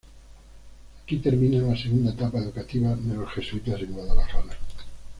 Aquí termina la segunda etapa educativa de los jesuitas en Guadalajara.